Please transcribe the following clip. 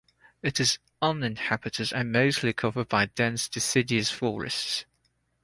It is uninhabited and mostly covered by dense deciduous forest.